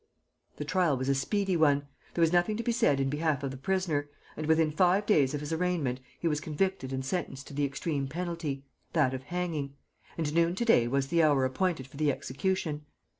"The trial was a speedy one. There was nothing to be said in behalf of the prisoner, and within five days of his arraignment he was convicted and sentenced to the extreme penalty that of hanging and noon to day was the hour appointed for the execution.